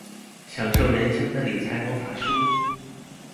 享受人生的理財魔法書